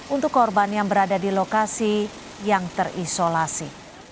untuk korban yang berada di lokasi yang terisolasi